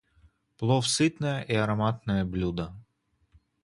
Плов - сытное и ароматное блюдо.